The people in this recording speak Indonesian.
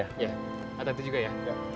ayo datang tadi juga ya